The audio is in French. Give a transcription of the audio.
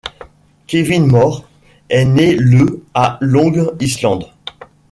Kevin Moore est né le à Long Island.